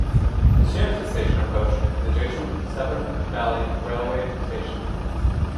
It shares its station approach with the adjacent Severn Valley Railway station.